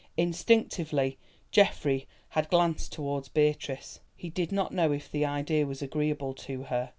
Instinctively Geoffrey had glanced towards Beatrice. He did not know if this idea was agreeable to her.